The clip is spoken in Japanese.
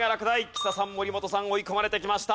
木佐さん森本さん追い込まれてきました。